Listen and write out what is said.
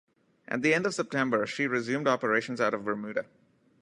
At the end of September, she resumed operations out of Bermuda.